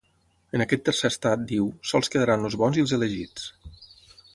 En aquest tercer estat, diu, sols quedaran els bons i els elegits.